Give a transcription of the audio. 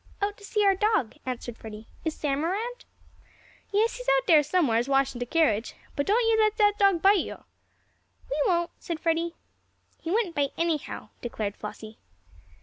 "Out to see our dog," answered Freddie. "Is Sam around?" "Yes, he's out dere somewheres, washin' de carriage. But don't yo' let dat dog bite yo'." "We won't," said Freddie. "He wouldn't bite anyhow," declared Flossie.